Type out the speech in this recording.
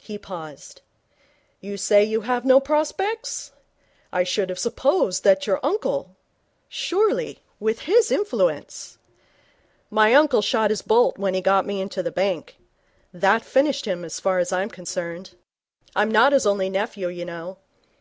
He paused. 'You say you have no prospects? I should have supposed that your uncle ? Surely, with his influence ?' 'My uncle shot his bolt when he got me into the bank. That finished him, as far as I'm concerned. I'm not his only nephew, you know.